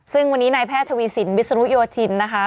ซึ่งวันนี้นายแพทย์ทวีสินวิศนุโยธินนะคะ